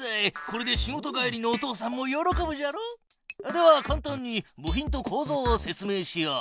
これで仕事帰りのお父さんも喜ぶじゃろう？ではかん単に部品とこうぞうを説明しよう。